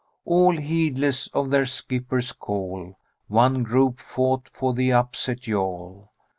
All heedless of their skipper's call, One group fought for the upset yawl.